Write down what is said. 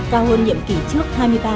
cao hơn nhiệm kỷ trước hai mươi ba tám